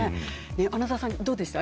穴澤さん、どうでした？